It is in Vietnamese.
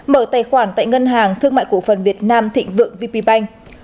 mở tài khoản tại ngân hàng thương mại cổ phần việt nam thịnh vượng vp bank